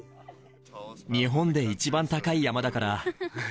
日本で一番高い山だから。